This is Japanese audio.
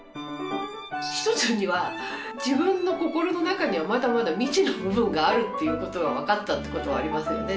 一つには自分の心の中にはまだまだ未知の部分があるっていうことが分かったっていうことはありますよね